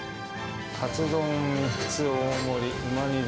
カツ丼３つ大盛り。